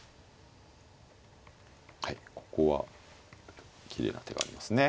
はいここはきれいな手がありますね。